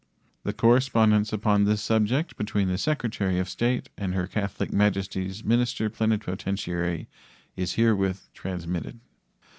The correspondence upon this subject between the Secretary of State and Her Catholic Majesty's minister plenipotentiary is herewith transmitted.